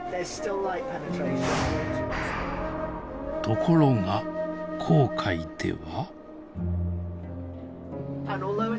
ところが紅海では。